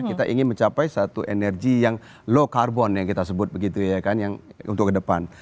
kita ingin mencapai satu energi yang low carbon yang kita sebut begitu ya kan yang untuk ke depan